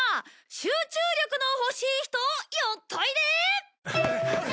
集中力の欲しい人寄っといで！